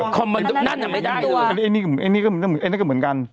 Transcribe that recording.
คอมเมนต์นั่นน่ะไม่ได้เลยนั่นก็เหมือนกัน